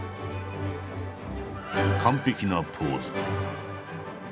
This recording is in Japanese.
完璧なポーズ。